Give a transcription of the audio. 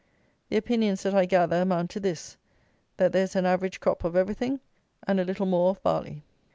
The opinions that I gather amount to this: that there is an average crop of everything, and a little more of barley.